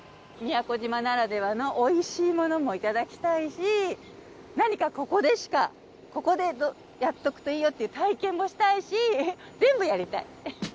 宮古島ならではのおいしいものもいただきたいし何かここでしかここでやっとくといいよっていう体験もしたいし全部やりたい。